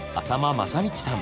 正通さん